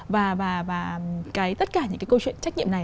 và tất cả những cái câu chuyện trách nhiệm này